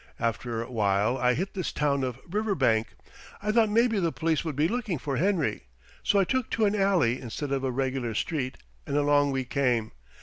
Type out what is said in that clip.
After while I hit this town of Riverbank. I thought maybe the police would be looking for Henry. So I took to an alley instead of a regular street, and along we came.